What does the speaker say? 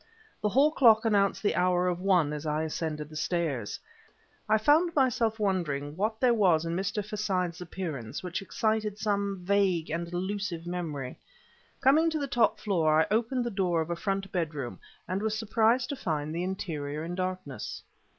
The hall clock announced the hour of one as I ascended the stairs. I found myself wondering what there was in Mr. Forsyth's appearance which excited some vague and elusive memory. Coming to the top floor, I opened the door of a front bedroom and was surprised to find the interior in darkness.